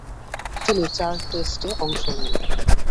তিনি চার টেস্টে অংশ নেন।